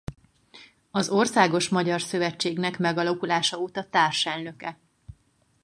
Az Országos Magyar Szövetségnek megalakulása óta társelnöke.